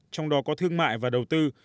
trong đó có thương mại và đầu tư